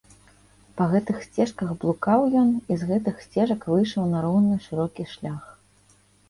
Па гэтых сцежках блукаў ён і з гэтых сцежак выйшаў на роўны, шырокі шлях.